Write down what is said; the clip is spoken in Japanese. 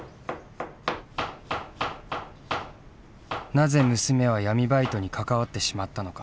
なぜ娘は闇バイトに関わってしまったのか。